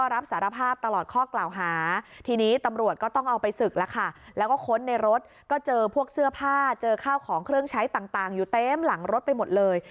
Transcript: รถก็เจอพวกเสื้อผ้าเจอข้าวของเครื่องใช้ต่างอยู่เต็มหลังรถไปหมดเลย